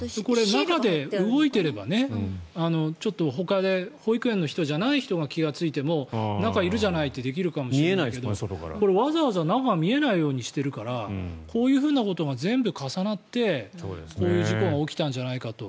中で動いていればちょっとほかで保育園の人じゃない人が気がついて中にいるじゃないかってできるかもしれないけどこれ、わざわざ中を見えないようにしているからこういうようなことが全部重なって、こういう事故が起きたんじゃないかと。